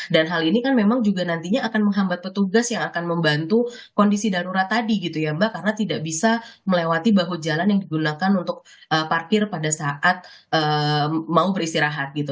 dan hal ini kan memang juga nantinya akan menghambat petugas yang akan membantu kondisi darurat tadi gitu ya mbak karena tidak bisa melewati bahu jalan yang digunakan untuk parkir pada saat mau beristirahat gitu